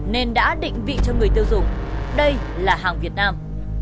nên đã định vị cho người tiêu dùng đây là hàng việt nam